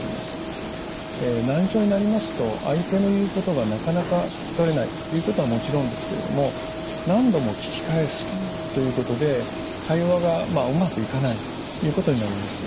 難聴になりますと相手の言うことがなかなか聞き取れないということはもちろんですけれども何度も聞き返すということで会話がうまくいかないということになります。